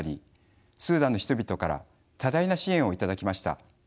スーダンの人々から多大な支援を頂きました。